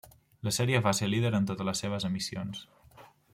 La sèrie va ser líder en totes les seves emissions.